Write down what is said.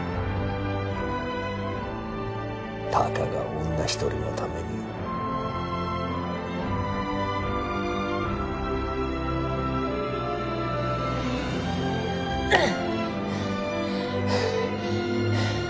たかが女一人のためにうっ！